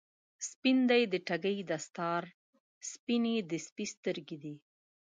سپین دی د ټګۍ دستار، سپینې د سپي سترګی دي